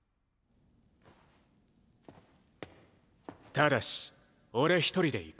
ただし俺一人で行く。